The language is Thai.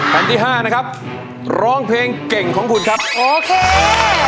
แผ่นที่ห้านะครับร้องเพลงเก่งของคุณครับโอเค